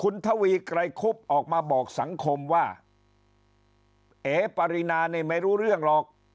คุณทวีไกรคุบออกมาบอกสังคมว่าเอ๋ปรินานี่ไม่รู้เรื่องหรอก